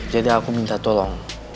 jadi aku minta tolong